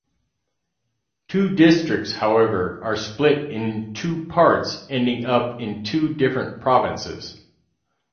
Two districts however are split in two parts ending up in two different provinces.